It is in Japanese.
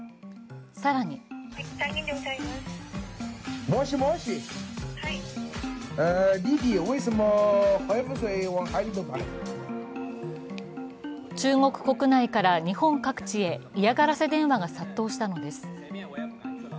更に中国国内から日本各地へ嫌がらせ電話が殺到したのです。